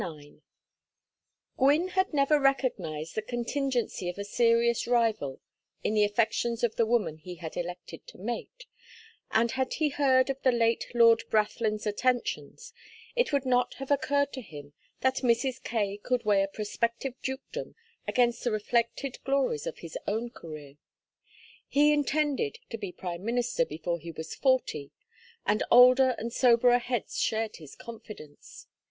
IX Gwynne had never recognized the contingency of a serious rival in the affections of the woman he had elected to mate, and had he heard of the late Lord Brathland's attentions it would not have occurred to him that Mrs. Kaye could weigh a prospective dukedom against the reflected glories of his own career. He intended to be prime minister before he was forty, and older and soberer heads shared his confidence.